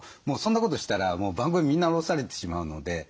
もうそんなことしたら番組みんな降ろされてしまうので。